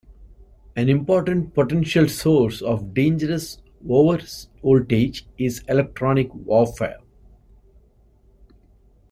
An important potential source of dangerous overvoltage is electronic warfare.